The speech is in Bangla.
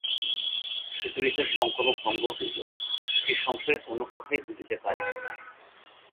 সুচরিতার সংকল্প ভঙ্গ হইল– সে সংসারের কোনো কথাই তুলিতে পারিল না।